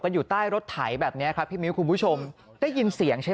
อยู่ใต้รถไถแบบนี้ครับพี่มิ้วคุณผู้ชมได้ยินเสียงใช่ไหม